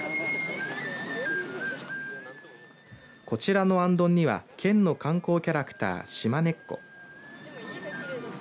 こちらのあんどんには県の観光キャラクター、しまねっこ。